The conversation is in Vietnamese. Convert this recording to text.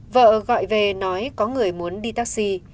vợ gọi về nói có người muốn đi taxi